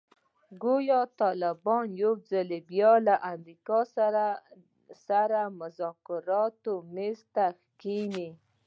ګویا طالبان یو ځل بیا له امریکا سره مذاکراتو میز ته کښېني.